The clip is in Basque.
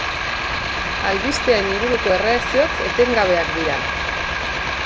Albistearen inguruko erreakzioak etengabeak dira.